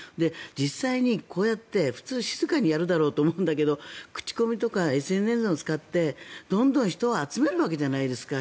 実際にこうやって普通、静かにやるだろうと思うんだけど口コミとかＳＮＳを使ってどんどん人を集めるわけじゃないですか。